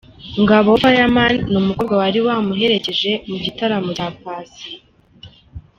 Ngabo Fireman n'umukobwa wari wamuherekeje mu gitaramo cya Paccy.